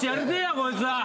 こいつは！